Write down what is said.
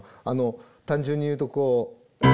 単純に言うとこう。